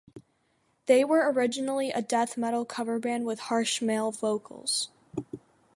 They were originally a death metal cover band with harsh male vocals.